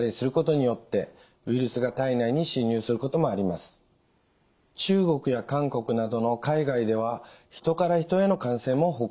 また中国や韓国などの海外では人から人への感染も報告されています。